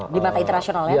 di mata internasional ya